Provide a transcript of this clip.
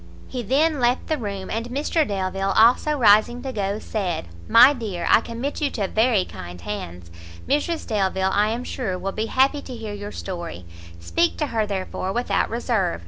He then left the room; and Mr Delvile also rising to go, said, "My dear, I commit you to very kind hands; Mrs Delvile, I am sure, will be happy to hear your story; speak to her, therefore, without reserve.